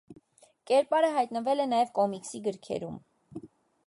Կերպարը հայտնվել է նաև կոմիքսի գրքերում։